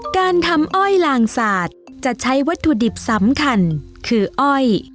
การทำอ้อยลางสาดจะใช้วัตถุดิบสำคัญคืออ้อย